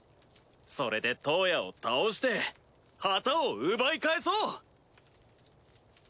それでトウヤを倒して旗を奪い返そう！